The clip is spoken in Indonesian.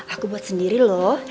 aku buat sendiri loh